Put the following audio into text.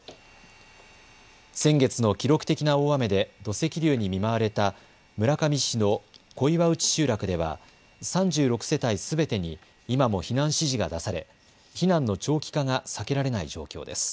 先月の記録的な大雨で土石流に見舞われた村上市の小岩内集落では３６世帯すべてに今も避難指示が出され避難の長期化が避けられない状況です。